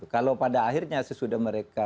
kalau pada akhirnya sesudah mereka